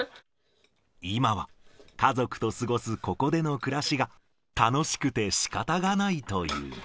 今は家族と過ごすここでの暮らしが、楽しくてしかたがないという。